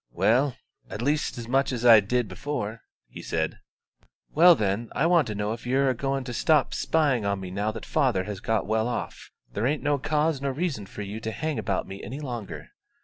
"Well, at least as much as I did before," he said. "Well, then, I want to know if you're a going to stop spying on me now that father has got well off? There ain't no cause nor reason for you to hang about me any longer.